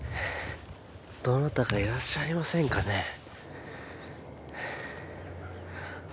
どなたかいらっしゃいませんかね？